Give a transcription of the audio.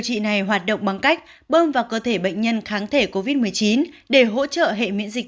trị này hoạt động bằng cách bơm vào cơ thể bệnh nhân kháng thể covid một mươi chín để hỗ trợ hệ miễn dịch